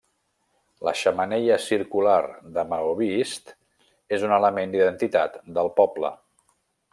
La xemeneia circular de maó vist és un element d'identitat del poble.